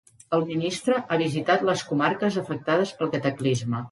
El ministre ha visitat les comarques afectades pel cataclisme.